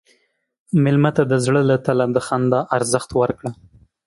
مېلمه ته د زړه له تله د خندا ارزښت ورکړه.